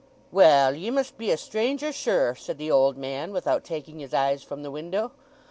"Well, ye must be a stranger sure," said the old man, without taking his eyes from the window.